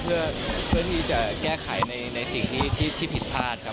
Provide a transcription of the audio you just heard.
เพื่อที่จะแก้ไขในสิ่งที่ผิดพลาดครับ